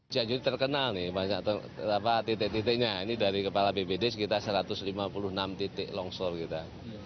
cianjur terkenal nih banyak titik titiknya ini dari kepala bpd sekitar satu ratus lima puluh enam titik longsor kita